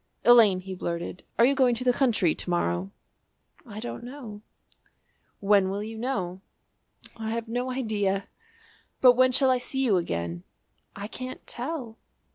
"Elaine," he blurted, "are you going to the country to morrow?" "I don't know." "When will you know?" "I have no idea!" "But when shall I see you again?" "I can't tell."